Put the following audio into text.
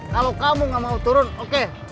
kalau kamu gak mau turun oke